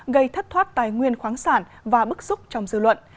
gây thất thoát tài nguyên khoáng sản và bức xúc trong dư luận